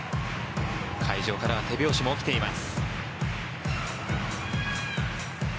会場からは手拍子も起きています。